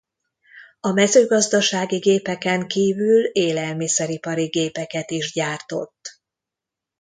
A mezőgazdasági gépeken kívül élelmiszeripari gépeket is gyártott.